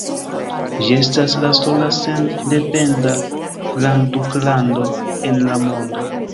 Ĝi estas la sola sendependa grandduklando en la mondo.